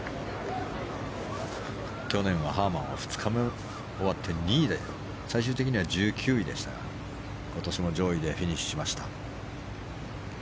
去年はハーマンは２日目終わって２位で最終的には１９位でしたが今年も上位でフィニッシュしました。